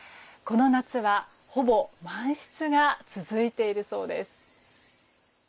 この夏は、ほぼ満室が続いているそうです。